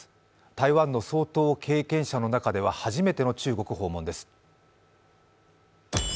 台湾の総統経験者の中では初めての中国訪問です。